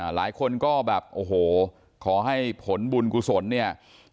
หลายคนก็แบบโอ้โหขอให้ผลบุญกุศลเนี่ย